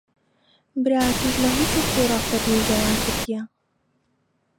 برا ئەتووش لە هیچ و خۆڕا خۆت نیگەران کردییە.